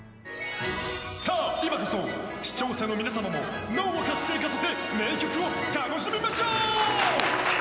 さあ、今こそ視聴者の皆様も脳を活性化させ名曲を楽しみましょう。